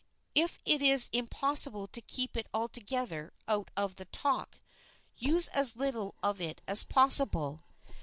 If it is impossible to keep it altogether out of the talk, use as little of it as possible.